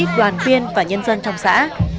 đoàn viên và nhân dân trong xã